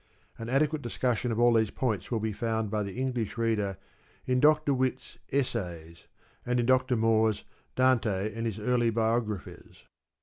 An adequate discussion of all these points will be found by the English reader in Dr. Witte's " Essays," ^ and in Dr. Moore's " Dante and his early Biographers."